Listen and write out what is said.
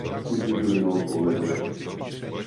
І тоді з нього будуть люди.